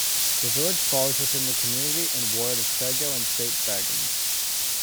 The village falls within the community and ward of Creigiau and Saint Fagans.